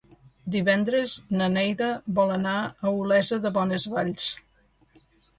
Divendres na Neida vol anar a Olesa de Bonesvalls.